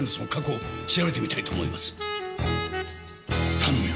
頼むよ